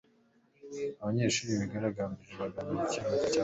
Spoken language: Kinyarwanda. abanyeshuri bigaragambije bamagana icyemezo cya guverinoma